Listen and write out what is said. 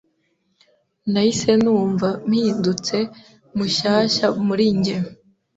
Nahise numva mpindutse mushyashya muri njye.